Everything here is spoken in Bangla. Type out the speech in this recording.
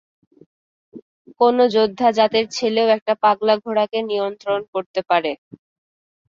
কোনো যোদ্ধা জাতের ছেলেও একটা পাগলা ঘোড়াকে নিয়ন্ত্রণ করতে পারে।